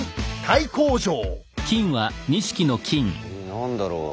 何だろう？